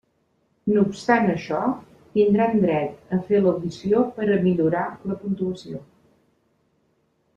No obstant això, tindran dret a fer l'audició per a millorar la puntuació.